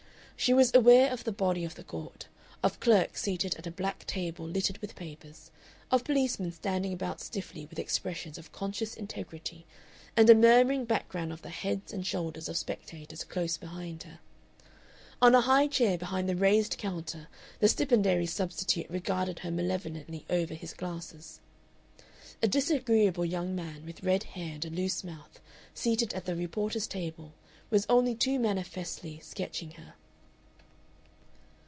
She was aware of the body of the court, of clerks seated at a black table littered with papers, of policemen standing about stiffly with expressions of conscious integrity, and a murmuring background of the heads and shoulders of spectators close behind her. On a high chair behind a raised counter the stipendiary's substitute regarded her malevolently over his glasses. A disagreeable young man, with red hair and a loose mouth, seated at the reporter's table, was only too manifestly sketching her.